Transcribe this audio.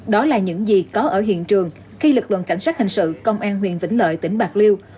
đó là những gì có ở hiện trường khi lực lượng cảnh sát hình sự công an huyện vĩnh lợi tỉnh bạc liêu